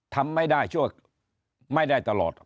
ทำไม่ได้ตลอด